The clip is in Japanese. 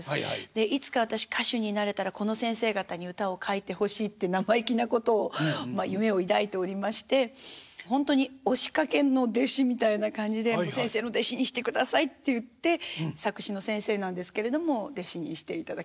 でいつか私歌手になれたらこの先生方に歌を書いてほしいって生意気なことをまあ夢を抱いておりましてほんとに押しかけの弟子みたいな感じで「先生の弟子にしてください」って言って作詞の先生なんですけれども弟子にしていただきました。